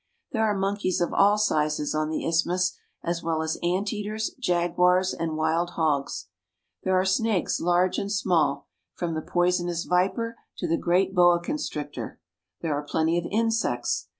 There are monkeys of all sizes on the isthmus, as well as ant eaters, jaguars, and wild hogs. There are snakes, large and small, from the poisonous Cocoa Palms and Cocoanut. ACROSS PANAMA. 27 viper to the great boa constrictor. There are plenty of insects.